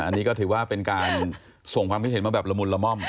อันนี้ก็ถือว่าเป็นการส่งความคิดเห็นมาแบบละมุนละม่อม